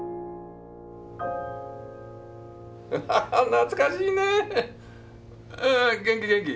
懐かしいねうんうん元気元気。